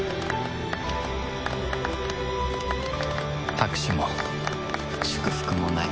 拍手も祝福もない